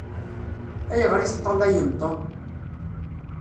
Ayɣeṛ i teṭṭalayem Tom?